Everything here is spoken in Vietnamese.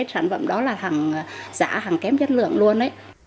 sản phẩm đó là thằng giả thằng kém chất lượng luôn